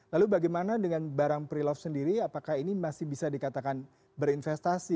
lalu bagaimana dengan barang pre love sendiri apakah ini masih bisa dikatakan berinvestasi